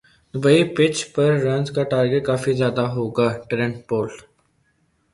Dubai pitch پر runs کا target کافی ہو گا ٹرینٹ بولٹ